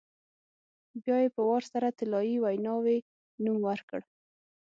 بیا یې په وار سره طلایي ویناوی نوم ورکړ.